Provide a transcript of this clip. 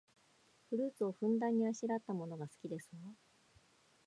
フルーツをふんだんにあしらったものが好きですわ